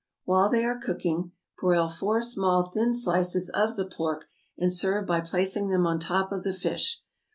While they are cooking, broil four small thin slices of the pork, and serve by placing them on top of the fish.